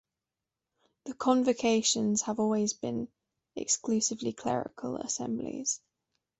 The Convocations have always been exclusively clerical assemblies.